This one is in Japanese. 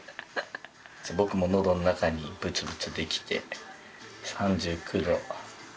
僕も喉の中にブツブツ出来て３９度。